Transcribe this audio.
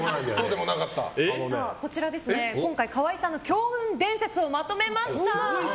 こちら今回、川合さんの強運伝説をまとめました。